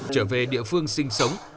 trở về địa phương sinh sống